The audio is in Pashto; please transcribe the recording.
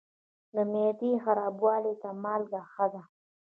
د معدې خرابوالي ته مالګه ښه ده.